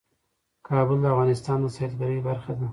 کابل د افغانستان د سیلګرۍ برخه ده.